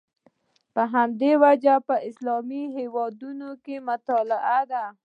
په همدې وجه په اسلامي هېوادونو کې مطالعه ده.